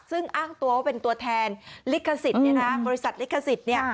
ซึ่งอ้างตัวเป็นตัวแทนบริษัทลิขสิทธิ์